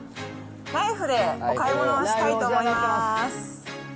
ライフでお買い物をしたいと思います。